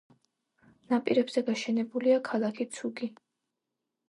ნაპირებზე გაშენებულია ქალაქი ცუგი.